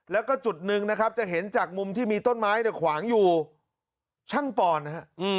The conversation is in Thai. แล้วก็จุดหนึ่งนะครับจะเห็นจากมุมที่มีต้นไม้เนี่ยขวางอยู่ช่างปอนนะฮะ